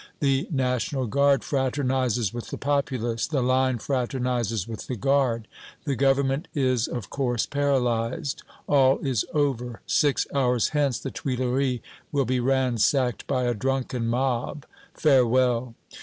The National Guard fraternizes with the populace; the Line fraternizes with the Guard. The Government is, of course, paralyzed. All is over; six hours hence the Tuileries will be ransacked by a drunken mob! Farewell!"